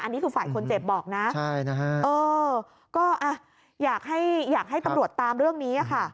อันนี้คือฝ่ายคนเจ็บบอกนะเออก็อยากให้อยากให้ตำรวจตามเรื่องนี้ค่ะ